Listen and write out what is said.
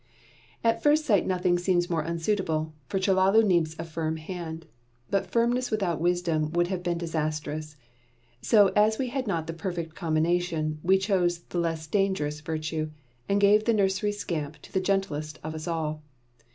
At first sight nothing seems more unsuitable, for Chellalu needs a firm hand. But firmness without wisdom would have been disastrous; so as we had not the perfect combination, we chose the less dangerous virtue, and gave the nursery scamp to the gentlest of us all.